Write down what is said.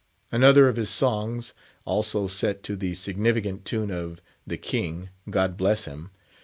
Another of his songs, also set to the significant tune of _The King, God bless him!